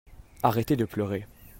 Arrêter de pleurer.